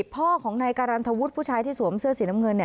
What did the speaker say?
พ่อของนายการันทวุฒิผู้ชายที่สวมเสื้อสีน้ำเงิน